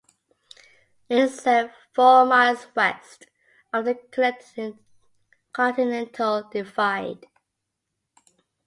It is set four miles west of the Continental Divide.